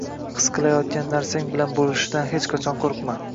His qilayotgan narsang bilan bo‘lishishdan hech qachon qo‘rqma.